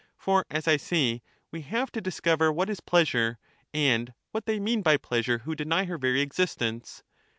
For, as I say, we have to dis cover what is pleasure, and what they mean by pleasure who deny her very existence.